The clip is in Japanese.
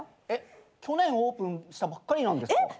えっ去年オープンしたばっかりなんですか？